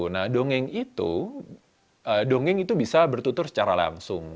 nah dongeng itu bisa bertutur secara langsung